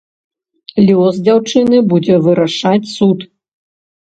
Лёс дзяўчыны будзе вырашаць суд.